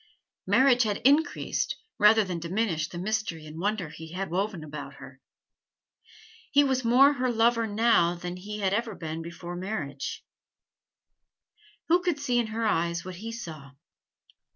Marriage had increased rather than diminished the mystery and wonder he had woven about her. He was more her lover now than he had been before his marriage. Who could see in her eyes what he saw?